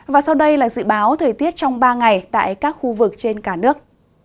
và sau đây là dự báo thời tiết trong ba ngày tại các khu vực trên cả nước